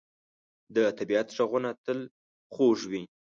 د طبیعت ږغونه تل خوږ وي.